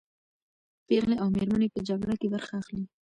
پېغلې او مېرمنې په جګړه کې برخه اخلي.